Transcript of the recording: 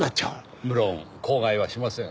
無論口外はしません。